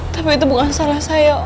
tapi itu bukan salah saya